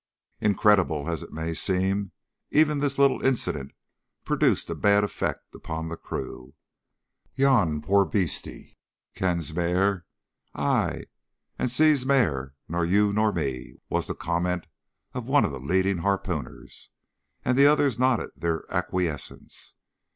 Incredible as it may seem, even this little incident produced a bad effect upon the crew. "Yon puir beastie kens mair, ay, an' sees mair nor you nor me!" was the comment of one of the leading harpooners, and the others nodded their acquiescence.